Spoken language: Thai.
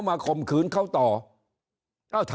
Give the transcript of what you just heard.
ถ้าท่านผู้ชมติดตามข่าวสาร